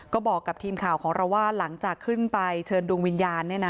ก็บอกกับทีมข่าวของเราว่าหลังจากขึ้นไปเชิญดวงวิญญาณ